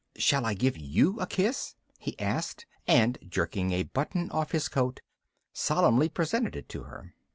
"Shall I give you a kiss?" he asked and, jerking a button off his coat, solemnly presented it to her.